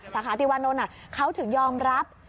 สาขาติวานนท์เขาถึงยอมรับ